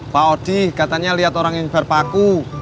pak odi katanya lihat orang yang berpaku